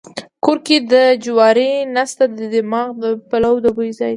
کور کې دې جواري نسته د دماغه دې د پلو بوی ځي.